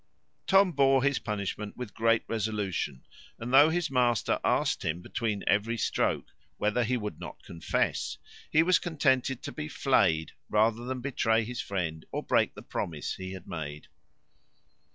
Tom bore his punishment with great resolution; and though his master asked him, between every stroke, whether he would not confess, he was contented to be flead rather than betray his friend, or break the promise he had made.